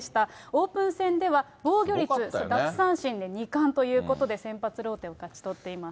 オープン戦では防御率、奪三振の２冠ということで、先発ローテを勝ち取っています。